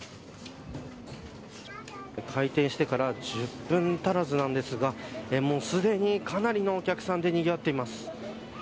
開店してから１０分足らずなんですがもうすでに、かなりのお客さんでにぎわっています。